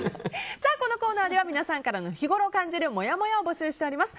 このコーナーでは皆さんからの日ごろ感じるもやもやを募集しております。